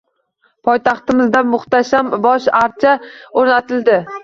Poytaxtimizda muhtasham bosh archa o‘rnatildi